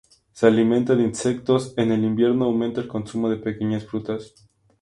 Se alimenta de insectos, en el invierno aumenta el consumo de pequeñas frutas.